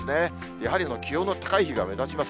やはり気温の高い日が目立ちます。